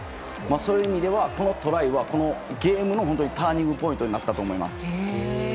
それを見れば、このトライはこのゲームのターニングポイントになったと思います。